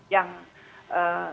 yang sekarang disasar